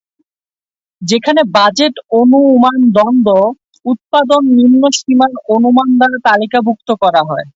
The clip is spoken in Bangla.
যেখানে বাজেট অনুমান দ্বন্দ্ব, উত্পাদন নিম্ন-সীমার অনুমান দ্বারা তালিকাভুক্ত করা হয়।